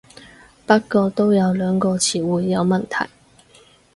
不過都有兩個詞彙有問題